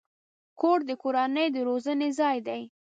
کور د کورنۍ د روزنې ځای دی.